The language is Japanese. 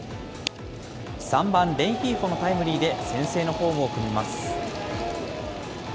３番レンヒーフォのタイムリーで、先制のホームを踏みます。